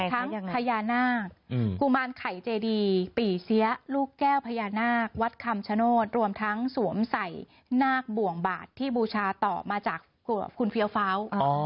พญานาคกุมารไข่เจดีปี่เสียลูกแก้วพญานาควัดคำชโนธรวมทั้งสวมใส่นาคบ่วงบาทที่บูชาต่อมาจากคุณเฟี้ยวฟ้า